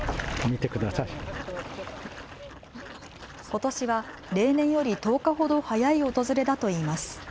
ことしは例年より１０日ほど早い訪れだといいます。